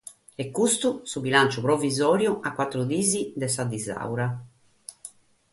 Est custu su bilantzu provisòriu a bator dies dae sa disaura.